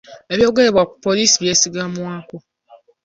Ebyogerebwa ku poliisi byesigamwako?